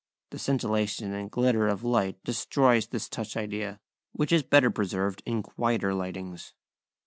The scintillation and glitter of light destroys this touch idea, which is better preserved in quieter lightings.